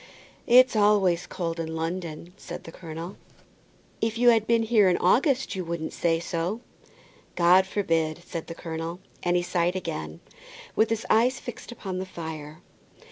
"It's always cold in London," said the colonel. "If you had to be here in August you wouldn't say so." "God forbid," said the colonel, and he sighed again, with his eyes fixed upon the fire.